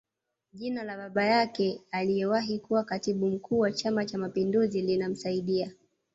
Jina la baba yake aliyewahi kuwa Katibu Mkuu wa Chama Cha mapinduzi linamsaidia